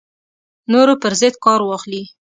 نورو پر ضد کار واخلي